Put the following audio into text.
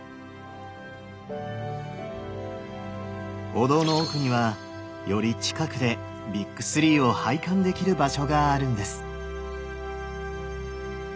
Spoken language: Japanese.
お堂の奥にはより近くでビッグ３を拝観できる場所があるんです。